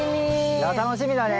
いや楽しみだね！